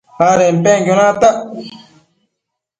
adenpenquio natac